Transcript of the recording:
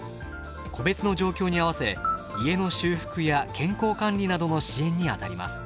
個別の状況に合わせ家の修復や健康管理などの支援にあたります。